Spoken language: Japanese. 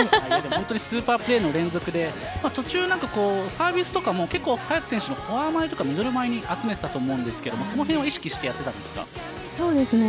スーパープレーの連続で途中サービスとかも早田選手のフォア前とかミドル前に集めていたと思うんですけどそのへんはそうですね。